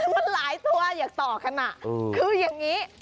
มันหลายตัวอยากต่อกันคือยังงี้